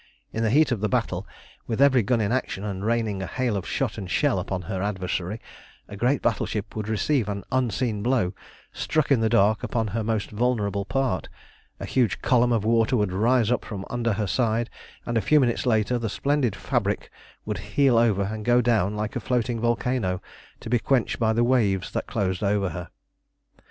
In the heat of the battle, with every gun in action, and raining a hail of shot and shell upon her adversary, a great battleship would receive an unseen blow, struck in the dark upon her most vulnerable part, a huge column of water would rise up from under her side, and a few minutes later the splendid fabric would heel over and go down like a floating volcano, to be quenched by the waves that closed over her.